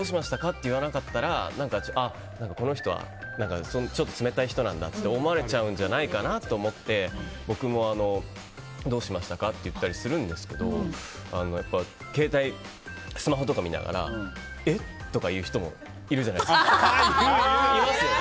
って言わなかったらこの人はちょっと冷たい人なんだって思われちゃうんじゃないかなと僕も思うんですけど携帯、スマホとか見ながらえっ？とか言う人もいるじゃないですか。